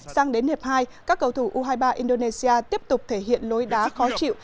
sang đến hiệp hai các cầu thủ u hai mươi ba indonesia tiếp tục thể hiện lối đá khó chịu